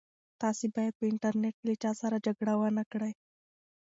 تاسي باید په انټرنيټ کې له چا سره جګړه ونه کړئ.